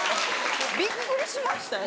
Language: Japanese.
びっくりしましたよ。